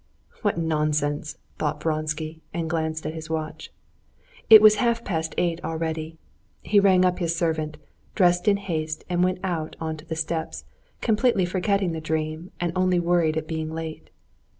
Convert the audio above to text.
"What nonsense!" thought Vronsky, and glanced at his watch. It was half past eight already. He rang up his servant, dressed in haste, and went out onto the steps, completely forgetting the dream and only worried at being late.